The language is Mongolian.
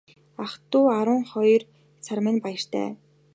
Ах дүү арван хоёр сар минь баяртай.